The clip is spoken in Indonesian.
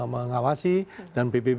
mengawasi dan pbb